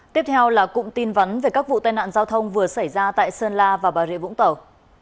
tiếp theo là cụm tin vắn về các vụ tai nạn giao thông vừa xảy ra tại sơn la và bà rịa vũng tàu